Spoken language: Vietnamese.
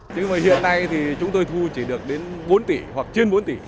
nhưng mà hiện nay thì chúng tôi thu chỉ được đến bốn tỷ hoặc trên bốn tỷ